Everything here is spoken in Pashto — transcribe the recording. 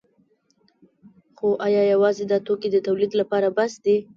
خو ایا یوازې دا توکي د تولید لپاره بس دي؟